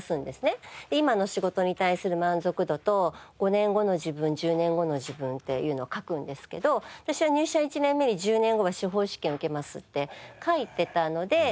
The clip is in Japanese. で今の仕事に対する満足度と５年後の自分１０年後の自分っていうのを書くんですけど私は入社１年目に１０年後は司法試験受けますって書いてたので。